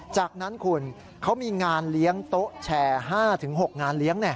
จากนั้นคุณเขามีงานเลี้ยงโต๊ะแชร์๕๖งานเลี้ยง